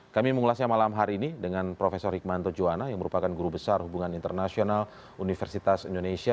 kami mengulasnya malam hari ini dengan prof hikmanto juwana yang merupakan guru besar hubungan internasional universitas indonesia